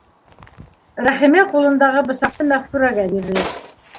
Рәхимә ҡулындағы бысаҡты Мәғфүрәгә бирҙе: